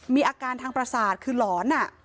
มีอาการทางประสาทคือหลอน